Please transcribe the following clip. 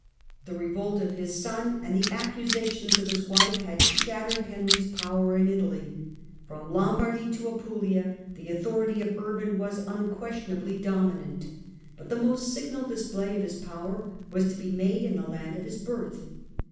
The revolt of his son and the accusations of his wife had shattered Henry's power in Italy. From Lom bardy to Apulia the authority of Urban was unques tionably dominant. But the most signal display of his power was to be made in the land of his birth.